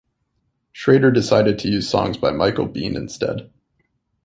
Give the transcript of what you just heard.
Schrader decided to use songs by Michael Been instead.